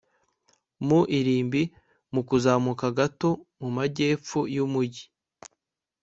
mu irimbi, mu kuzamuka gato mu majyepfo y'umujyi